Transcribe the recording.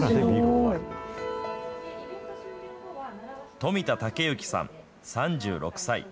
富田健之さん３６歳。